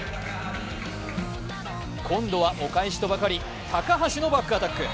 今度はお返しとばかり高橋のバックアタック。